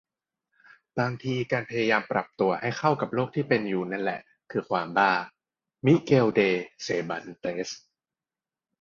"บางทีการพยายามปรับตัวให้เข้ากับโลกที่เป็นอยู่นั่นแหละคือความบ้า " - มิเกล เด เซร์บันเตส